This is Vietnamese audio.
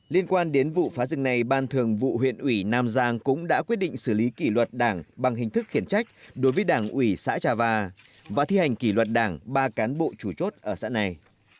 liên quan đến vụ phá rừng này ban thường vụ huyện ủy nam giang cũng đã quyết định xử lý kỷ luật đảng bằng hình thức khiển trách đối với đảng ủy xã trà và thi hành kỷ luật đảng ba cán bộ chủ chốt ở xã này